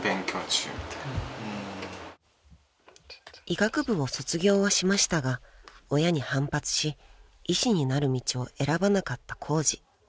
［医学部を卒業はしましたが親に反発し医師になる道を選ばなかったコウジ］